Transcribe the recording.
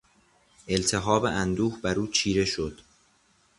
التهاب اندوه براو چیره شد.